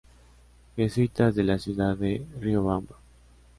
Jesuitas de la ciudad de Riobamba.